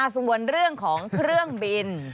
ส่วนเรื่องของเครื่องบิน